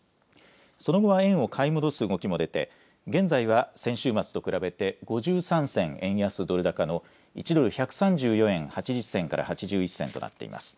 その後は円を買い戻す動きも出て、現在は先週末と比べて５３銭円安ドル高の１ドル１３４円８０銭から８１銭となっています。